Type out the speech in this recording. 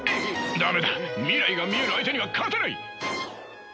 駄目だ未来が見える相手には勝てない！